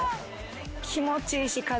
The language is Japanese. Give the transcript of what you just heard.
気持ちいいし風。